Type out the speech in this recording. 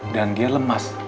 dan dia lemas